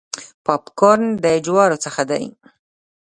پاپ کارن د جوارو څخه دی.